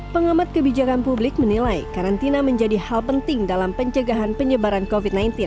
pengamat kebijakan publik menilai karantina menjadi hal penting dalam pencegahan penyebaran covid sembilan belas